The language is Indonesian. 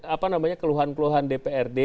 apa namanya keluhan keluhan dprd